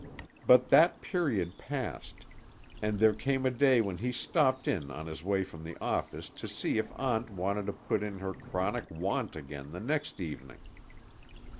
Then that period passed, and there came a day when he stopped in on his way from the office to see if Aunt wanted to put in her chronic want again the next evening.